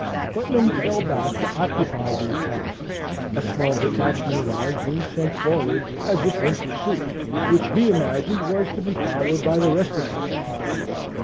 Putnam fell back to occupy these passes, a small detachment of ours being sent forward as if in pursuit, which he imagined was to be followed by the rest of our force.